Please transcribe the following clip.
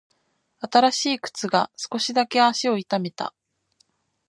新しい靴が少しだけ足を痛めた。